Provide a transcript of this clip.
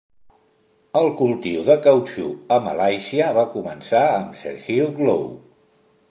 El cultiu de cautxú a Malàisia va començar amb Sir Hugh Low.